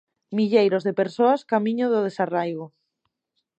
Milleiros de persoas camiño do desarraigo.